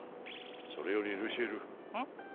それよりルシエルうん？